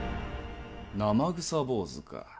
生臭坊主か。